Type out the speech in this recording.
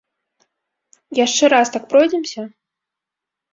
Яшчэ раз так пройдземся?